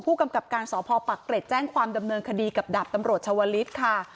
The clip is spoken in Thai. กำกับการสพปักเกร็ดแจ้งความดำเนินคดีกับดาบตำรวจชาวลิศค่ะ